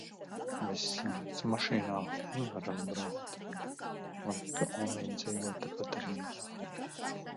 Viss salikts mašīnā, un varam braukt. Labi, ka Omī dzīvo tepat Rīgā.